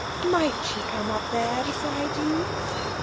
Might she come up there, beside you?